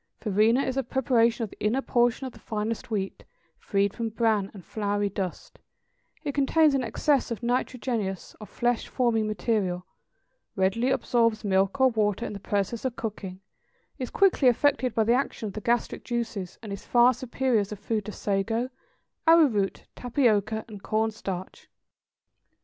Farina is a preparation of the inner portion of the finest wheat, freed from bran, and floury dust; it contains an excess of nitrogenous, or flesh forming material, readily absorbs milk or water in the process of cooking, is quickly affected by the action of the gastric juices; and is far superior as a food to sago, arrowroot, tapioca, and corn starch.